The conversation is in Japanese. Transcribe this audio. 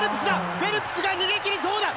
フェルプスが逃げ切りそうだ。